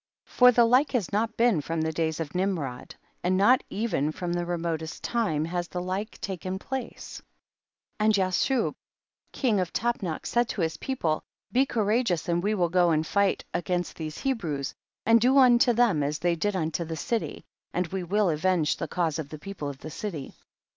For the like has not been from the days of Nimrod, and not even from the remotest time, has the like taken place ; and Jashub, king of Tapnach, said to his people, be cou rageous and we will go and fight against these Hebrews, and do unto them as they did unto the city, and we will avenge the cause of the peo ple of the city.